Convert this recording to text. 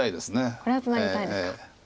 これはツナぎたいですか。